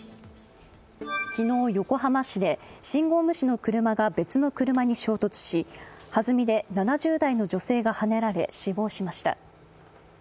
昨日、横浜市で信号無視の車が別の車に衝突し、はずみで７０代の女性がはねられ死亡しました。